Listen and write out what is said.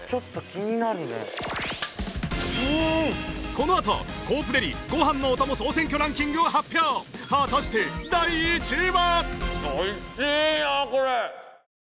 このあとコープデリごはんのおとも総選挙ランキングを発表果たして第１位は！？